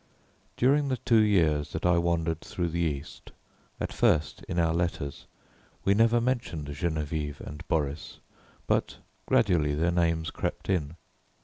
During the two years that I wandered through the East, at first, in our letters, we never mentioned Geneviève and Boris, but gradually their names crept in.